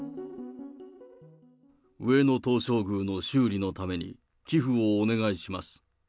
上野東照宮の修理のために寄付をお願いします。